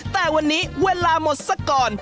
แต่วันนี้เวลาหมดสักก่อน